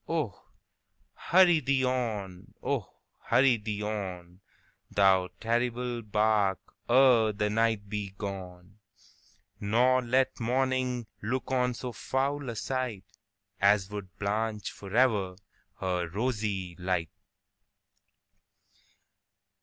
Oh! hurry thee on,—oh! hurry thee on, Thou terrible bark, ere the night be gone, Nor let morning look on so foul a sightAs would blanch forever her rosy light!